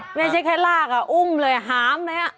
ไม่ใช่แค่ลากอ่ะอุ้มเลยหามเลย